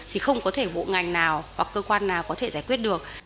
thì không có thể bộ ngành nào hoặc cơ quan nào có thể giải quyết được